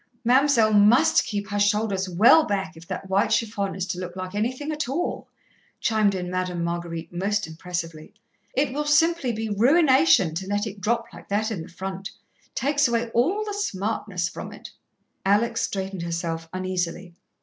"Mam'selle must keep her shoulders well back if that white chiffon is to look like anything at all," chimed in Madame Marguerite most impressively. "It will simply be ruination to let it drop like that in the front ... takes away all the smartness from it." Alex straightened herself uneasily.